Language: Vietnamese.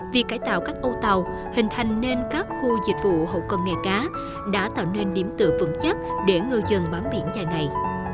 việc cải tạo các ô tàu hình thành nên các khu dịch vụ hậu cân nghề cá đã tạo nên điểm tựa vững chắc để ngư dân bám biển dài ngày